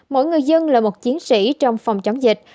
mỗi người dân là một chiến sĩ trong phòng chống dịch